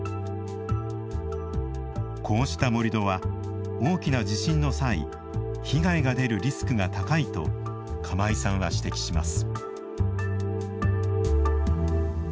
こうした盛土は大きな地震の際被害が出るリスクが高いと釜井さんは指摘します。